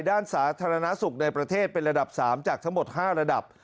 ด้านสาธารณสุขในประเทศเป็นระดับ๓จากทั้งหมด๕ระดับ